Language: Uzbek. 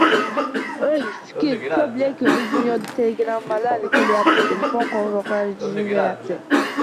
Oʻy, fikr koʻp, lekin u dunyodan telegrammalar kelyapti, telefon qoʻngʻiroqlari jiringlayapti